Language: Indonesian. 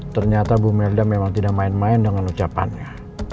ternyata bu merda memang tidak main main dengan ucapannya